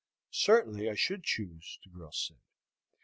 "Certainly I should choose," the girl said.